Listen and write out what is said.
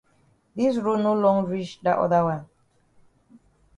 Dis road no long reach dat oda wan.